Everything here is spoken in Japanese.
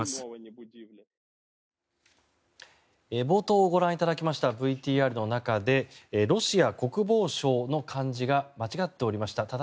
冒頭ご覧いただきましたＶＴＲの中でロシア国防省の漢字が間違っておりました。